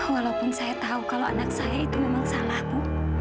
walaupun saya tahu kalau anak saya itu memang salah bu